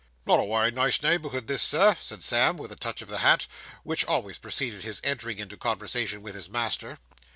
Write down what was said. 'Not a wery nice neighbourhood, this, Sir,' said Sam, with a touch of the hat, which always preceded his entering into conversation with his master.